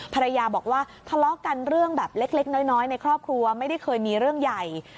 ภรรยาบอกว่าทะเลาะกันเรื่องแบบเล็กน้อยในครอบครัวไม่ได้เคยมีเรื่องใหญ่